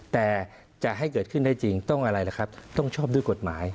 แต่จะให้เกิดขึ้นได้จริงต้องอะไรล่ะครับต้องชอบด้วยกฎหมาย